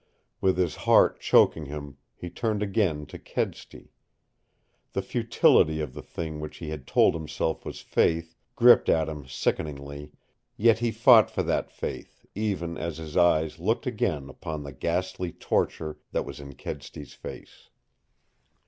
With his heart choking him, he turned again to Kedsty. The futility of the thing which he had told himself was faith gripped at him sickeningly, yet he fought for that faith, even as his eyes looked again upon the ghastly torture that was in Kedsty's face.